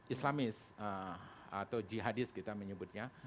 islamis atau jihadis kita menyebutnya